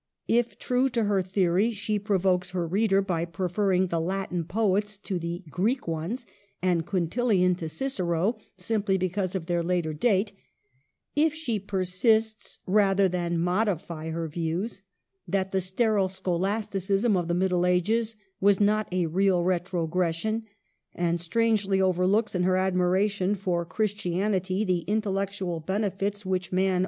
If, true to her theory, she provokes her reader by preferring the Latin poets to the Greek ones, and Quintilian to Cicero, simply because of their later date ; if she persists, rather than modify her views, that the sterile scholasticism of the Middle Ages was not a real retrogression, and strangely overlooks, in her admiration for Christianity, the intellectual benefits which man Digitized by VjOOQLC HER WORKS.